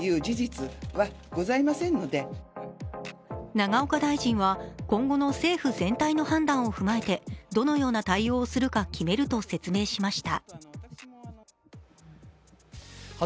永岡大臣は今後の政府全体の判断を踏まえてどのような対応をするか決めると説明しました。